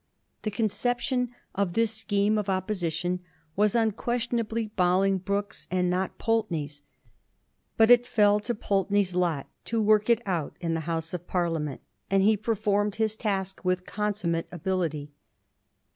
The conception of this plan of opposition was imquestionably BoUngbroke's and not Pulteney's ; but it fell to Pulteney's lot to work it out in the House of Parliament, and he performed his task with consummate ability.